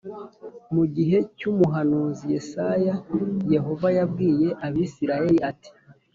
Mu gihe cy’ umuhanuzi Yesaya Yehova yabwiye Abisirayeli ati